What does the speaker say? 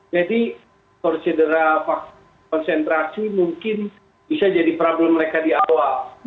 jadi prosedur konsentrasi mungkin bisa jadi problem mereka di awal